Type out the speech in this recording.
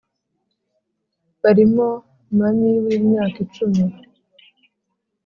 barimo mami w’imyaka icumi